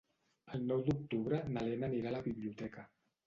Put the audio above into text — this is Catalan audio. El nou d'octubre na Lena anirà a la biblioteca.